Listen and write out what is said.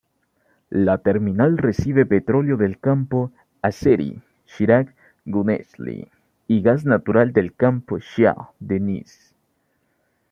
La terminal recibe petróleo del campo Azeri-Chirag-Guneshli y gas natural del Campo Shah Deniz.